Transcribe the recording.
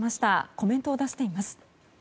コメントを出しています。